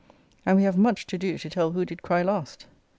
] and we have much to do to tell who did cry last.